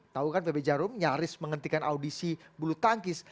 tahu kan pb jarum nyaris menghentikan audisi bulu tangkis